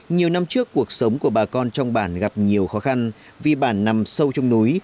nhiều năm trước cuộc sống của bà con trong bản gặp nhiều khó khăn vì bản nằm sâu trong núi